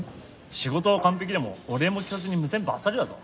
仕事は完璧でもお礼も聞かずに無線ばっさりだぞ。